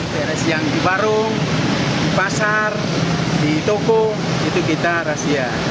beras yang di warung di pasar di toko itu kita rahasia